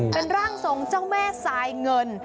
เป็นร่างทรงเจ้าแม่สายเงิน